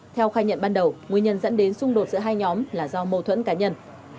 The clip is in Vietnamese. theo khai nhận ban đầu nguyên nhân dẫn đến xung đột giữa hai nhóm là do mâu thuẫn cá nhân